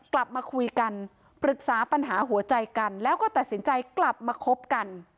กลับมาคุยกันปรึกษาปัญหาหัวใจกันแล้วก็ตัดสินใจกลับมาคบกัน